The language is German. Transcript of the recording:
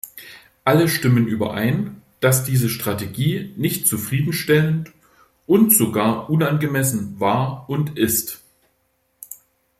Alle stimmen überein, dass diese Strategie nicht zufriedenstellend und sogar unangemessen war und ist.